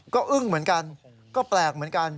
ก็อึ้งเหมือนกันก็แปลกเหมือนกัน